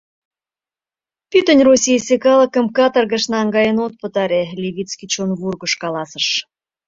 — Пӱтынь Российысе калыкым каторгыш наҥгаен от пытаре, — Левицкий чон вургыж каласыш.